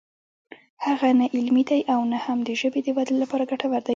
هغه نه علمي دی او نه هم د ژبې د ودې لپاره ګټور دی